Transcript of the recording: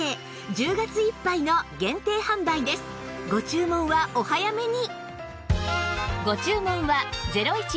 ご注文はお早めに！